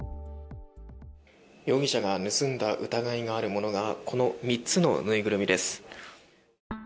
容疑者が盗んだ疑いがあるものがこの３つのぬいぐるみです。